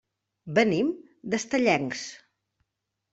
Venim d'Estellencs.